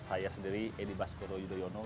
saya sendiri edi baskoro yudhoyono